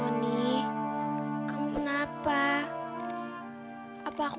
sampai kamu gak mau cerita apa apa sama aku